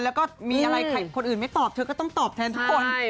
แล้วก็มีอะไรคนอื่นไม่ตอบเธอก็ต้องตอบแทนทุกคน